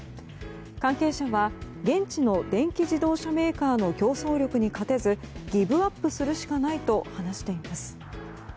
関係者は現地の電気自動車メーカーの競争力に勝てずギブアップするしかないと話しています。